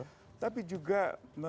dan juga memperbaiki perlindungan ke negara